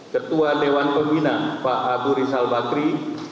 ketua dewan pembina pak aguri salbakri